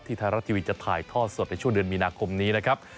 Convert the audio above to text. ไทยรัฐทีวีจะถ่ายทอดสดในช่วงเดือนมีนาคมนี้นะครับ